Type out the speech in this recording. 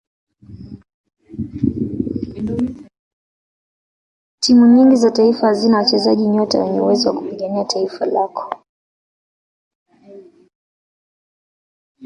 timu nyingi za taifa hazina wachezaji nyota wenye uwezo wa kupigania taifa lako